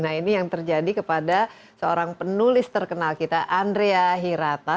nah ini yang terjadi kepada seorang penulis terkenal kita andrea hirata